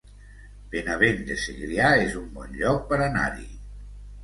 Benavent de Segrià es un bon lloc per anar-hi